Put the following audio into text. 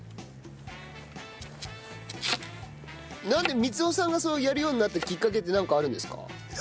なんで光夫さんがやるようになったきっかけってなんかあるんですか？